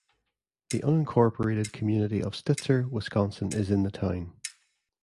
The unincorporated community of Stitzer, Wisconsin is in the town.